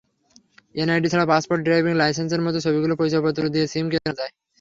NID ছাড়া passport, driving লাইসেন্সের মতো ছবিযুক্ত পরিচয়পত্র দিয়ে সিম কেনা যায়।